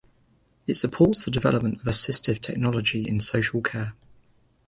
It supports the development of assistive technology in social care.